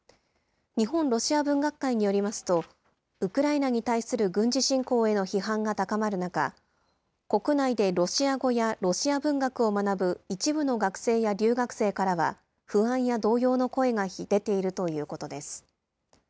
日本ロシア文学会によりますと、ウクライナに対する軍事侵攻への批判が高まる中、国内でロシア語やロシア文学を学ぶ一部の学生や留学生からは不安や動揺の声が出ているということです。